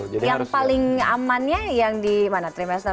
yang paling amannya yang di mana trimester